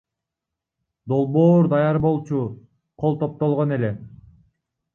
Долбоор даяр болчу, кол топтолгон эле.